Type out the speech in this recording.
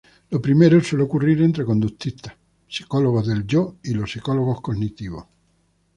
Lo primero suele ocurrir entre conductistas, psicólogos del Yo y los psicólogos cognitivos.